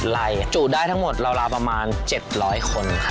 ๑๐ไรจุดายทั้งหมดราวประมาณ๗๐๐คนค่ะ